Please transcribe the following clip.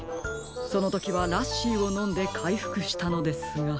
そのときはラッシーをのんでかいふくしたのですが。